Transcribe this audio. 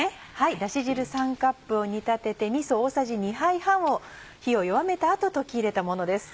だし汁３カップを煮立ててみそ大さじ２杯半を火を弱めた後溶き入れたものです。